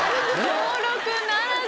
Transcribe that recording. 登録ならず。